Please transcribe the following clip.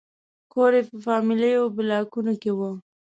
کور یې په فامیلي بلاکونو کې و.